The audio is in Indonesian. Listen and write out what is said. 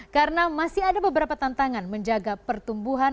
karena masih ada beberapa tantangan menjaga pertumbuhan